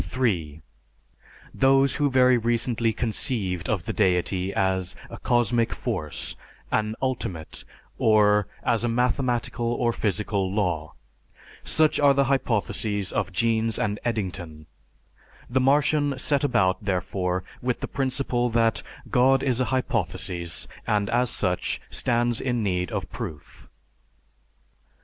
(3) Those who very recently conceived of the deity as a "cosmic force," an "ultimate," or as a mathematical or physical law. Such are the hypotheses of Jeans and Eddington. The Martian set about, therefore, with the principle that, "God is a hypothesis, and as such, stands in need of proof."